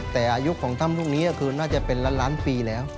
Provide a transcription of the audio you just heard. แต่อายุของถ้ำลูกนี้ก็คือน่าจะเป็นล้านปีแล้ว